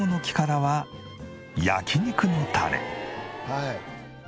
「はい」